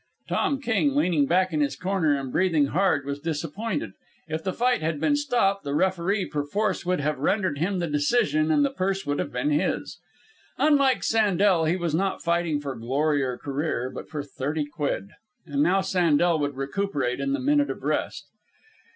Tom King, leaning back in his corner and breathing hard, was disappointed. If the fight had been stopped, the referee, perforce, would have rendered him the decision and the purse would have been his. Unlike Sandel, he was not fighting for glory or career, but for thirty quid. And now Sandel would recuperate in the minute of rest.